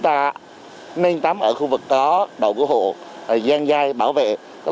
ta nên tắm ở khu vực có đội cứu hộ dăng dây bảo vệ